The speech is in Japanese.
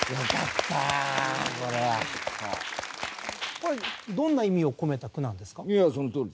これどんな意味を込めた句なんですか？